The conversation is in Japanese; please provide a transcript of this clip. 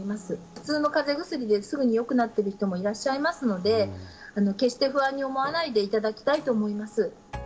普通のかぜ薬ですぐによくなっている人もいらっしゃいますので、決して不安に思わないでいただきたいと思います。